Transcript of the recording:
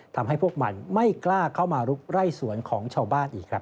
ทำให้พวกมันไม่กล้าเข้ามาลุกไร่สวนของชาวบ้านอีกครับ